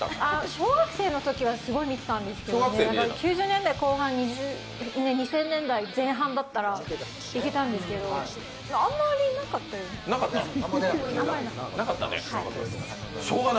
小学生のときはすごく見ていたんですけど９０年代後半、２０００年代前半だったらいけたんですけどあんまりなかったような。